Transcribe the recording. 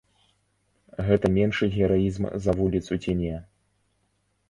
Гэта меншы гераізм за вуліцу ці не?